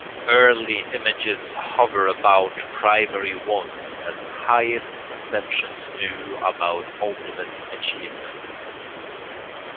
Early images hover about primary wants as highest conceptions do about ultimate achievements.